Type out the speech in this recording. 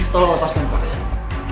tolong lepaskan mbak ya